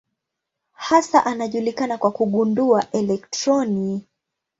Hasa anajulikana kwa kugundua elektroni.